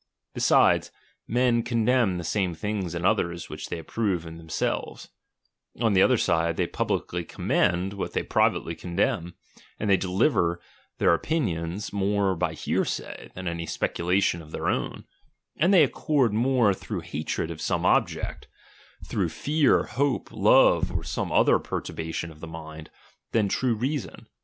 Besides, men condemn the same things in others, which they approve in themselves ; on the other side, they publicly commend what they privately condemn ; and they deliver their opinions more by hearsay, than any speculation of their own ; and they accord more through hatred of some object, through fear, hope, love, or some other perturbation of mind, than true reason.